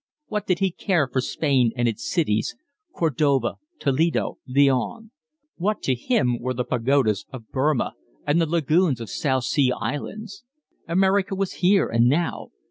What did he care for Spain and its cities, Cordova, Toledo, Leon; what to him were the pagodas of Burmah and the lagoons of South Sea Islands? America was here and now.